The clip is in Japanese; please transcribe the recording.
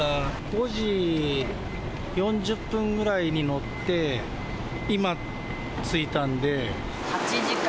５時４０分ぐらいに乗って、今着いたんで。